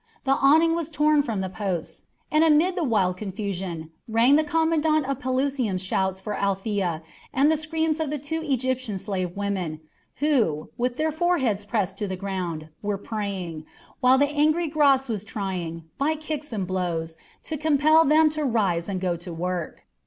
The awning was torn from the posts, and amid the wild confusion rang the commandant of Pelusium's shouts for Althea and the screams of two Egyptian slave women, who, with their foreheads pressed to the ground, were praying, while the angry Gras was trying, by kicks and blows, to compel them to rise and go to work.